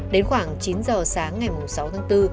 đến khoảng chín giờ sáng ngày sáu tháng bốn